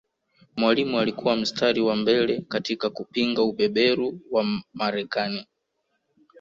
Mwalimu alikuwa mstari wa mbele katika kupinga ubeberu wa Marekani